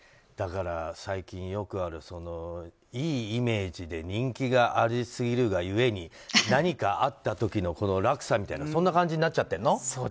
だから最近よくあるいいイメージで人気がありすぎるが故に何かあった時の落差みたいなそんな感じになっちゃってるの？